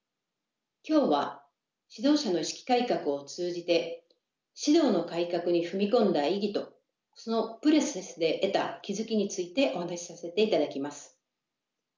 今日は指導者の意識改革を通じて指導の改革に踏み込んだ意義とそのプロセスで得た気付きについてお話しさせていただきます。